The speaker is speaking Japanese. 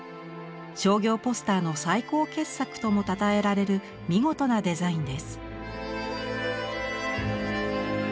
商業ポスターの最高傑作ともたたえられる見事なデザインです。